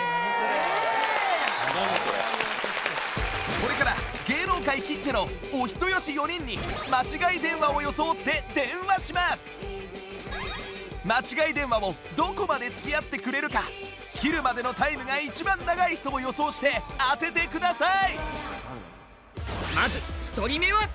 これから間違い電話をどこまで付き合ってくれるか切るまでのタイムが一番長い人を予想して当ててください。